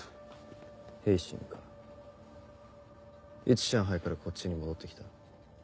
いつ上海からこっちに戻って来た？